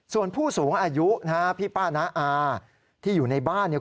ส่วนผู้สูงอายุพี่ป้าน้าอาที่อยู่ในบ้านคุณ